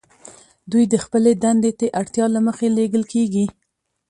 دوی د خپلې دندې د اړتیا له مخې لیږل کیږي